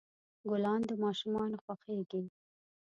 ګلان د ماشومان خوښیږي.